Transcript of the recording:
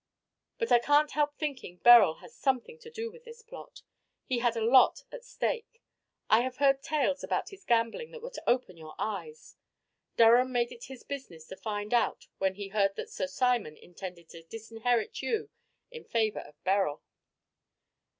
But I can't help thinking Beryl had something to do with this plot. He had a lot at stake. I have heard tales about his gambling that would open your eyes. Durham made it his business to find out when he heard that Sir Simon intended to disinherit you in favor of Beryl."